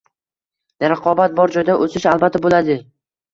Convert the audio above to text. Raqobat bor joyda o‘sish albatta bo‘lading